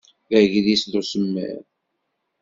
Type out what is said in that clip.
D agris d usemmiḍ.